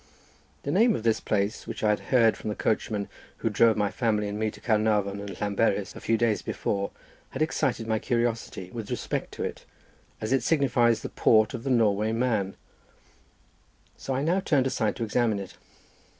The name of this place, which I had heard from the coachman who drove my family and me to Caernarvon and Llanberis a few days before, had excited my curiosity in respect to it, as it signifies the Port of the Norway man, so I now turned aside to examine it.